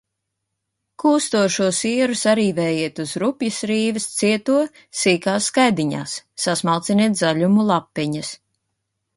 Kūstošo sieru sarīvējiet uz rupjas rīves, cieto – sīkās skaidiņās, sasmalciniet zaļumu lapiņas.